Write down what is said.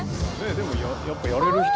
でもやっぱやれる人のおお！